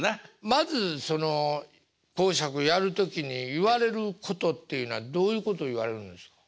まずその講釈やる時に言われることっていうのはどういうこと言われるんですか？